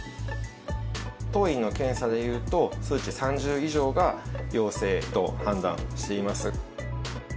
当院の検査で言うと、数値３０以上が陽性と判断しています。